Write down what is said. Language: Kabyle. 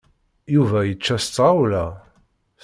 Yuba yečča s tɣawla